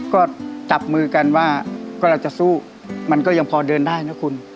ก็จับมือกันว่าก็เราจะสู้มันก็ยังพอเดินได้นะคุณ